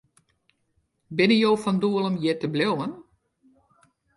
Binne jo fan doel om hjir te bliuwen?